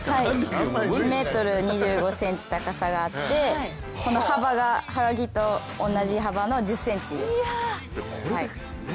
１ｍ２５ｃｍ高さがあって、幅がはがきと同じ幅の１０ｃｍです。